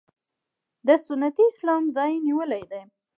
د سنتي اسلام ځای یې نیولی دی.